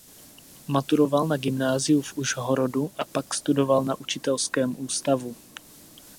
Maturoval na gymnáziu v Užhorodu a pak studoval na učitelském ústavu.